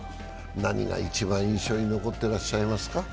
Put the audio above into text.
ご自身では何が一番印象に残ってらっしゃいますか。